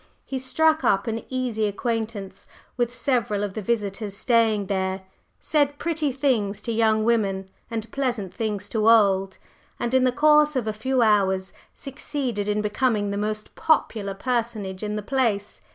He struck up an easy acquaintance with several of the visitors staying there, said pretty things to young women and pleasant things to old, and in the course of a few hours succeeded in becoming the most popular personage in the place.